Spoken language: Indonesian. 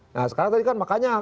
nah sekarang tadi kan makanya